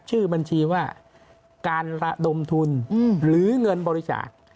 ชื่อบัญชีว่าการระดมทุนหรือเงินบริจาค